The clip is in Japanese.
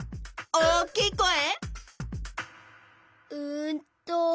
おおきいこえ？